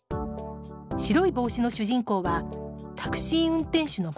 「白いぼうし」の主人公はタクシー運転手の松井さん。